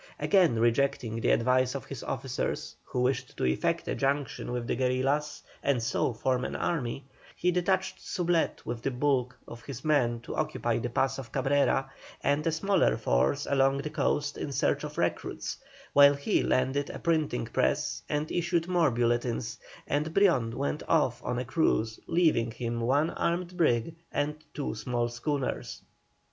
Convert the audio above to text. Again rejecting the advice of his officers, who wished to effect a junction with the guerillas and so form an army, he detached Soublette with the bulk of his men to occupy the pass of Cabrera, and a smaller force along the coast in search of recruits, while he landed a printing press and issued more bulletins, and Brion went off on a cruise leaving him one armed brig and two small schooners.